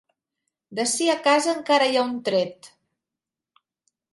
D'ací a casa encara hi ha un tret.